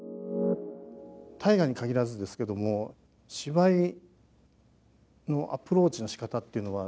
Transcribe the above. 大河に限らずですけども芝居のアプローチのしかたっていうのは